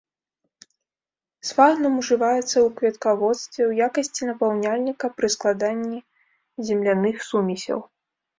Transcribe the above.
Сфагнум ўжываецца ў кветкаводстве ў якасці напаўняльніка пры складанні земляных сумесяў.